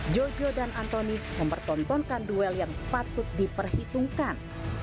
jojo dan antoni mempertontonkan duel yang patut diperhitungkan